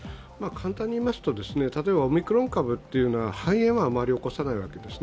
簡単に言いますと例えばオミクロン株というのは肺炎はあまり起こさないわけです。